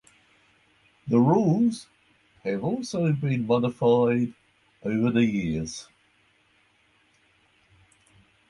The rules has also been modified over the years.